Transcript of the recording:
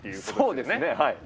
そうですね。